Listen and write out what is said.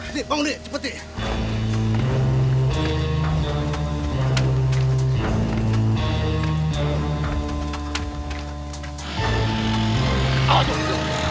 dik bangun deh cepet dik